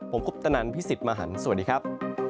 ผมคุปตนันพี่สิทธิ์มหันฯสวัสดีครับ